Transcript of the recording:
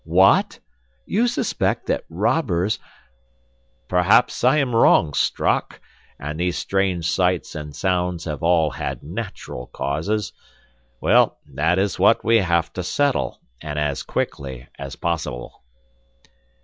"What! You suspect that robbers—" "Perhaps I am wrong, Strock; and these strange sights and sounds have all had natural causes. Well, that is what we have to settle, and as quickly as possible."